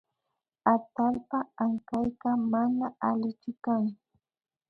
Atallpa ankayka mana allichu kan